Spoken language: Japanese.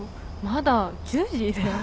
まだ１０時だよ。